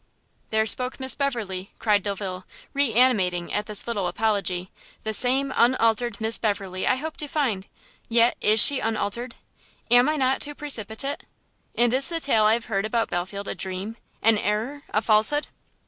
"There spoke Miss Beverley!" cried Delvile, reanimating at this little apology, "the same, the unaltered Miss Beverley I hoped to find! yet is she unaltered? am I not too precipitate? and is the tale I have heard about Belfield a dream? an error? a falsehood?"